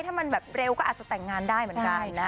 ถ้ามันแบบเร็วก็อาจจะแต่งงานได้เหมือนกัน